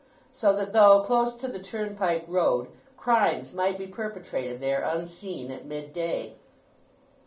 So that, though close to the turnpike road, crimes might be perpetrated there unseen at mid day.